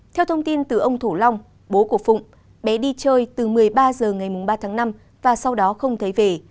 theo thông tin từ ông thủ long bố của phụng bé đi chơi từ một mươi ba h ngày ba tháng năm và sau đó không thấy về